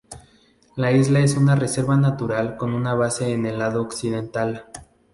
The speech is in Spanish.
La isla es una reserva natural con una base en el lado occidental.